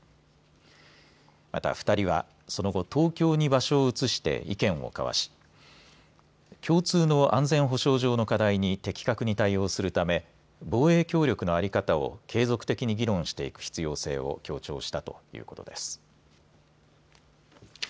また２人は、その後、東京に場所を移して意見を交わし共通の安全保障上の課題に的確に対応するため防衛協力の在り方を継続的に議論していく必要性を強調したということです。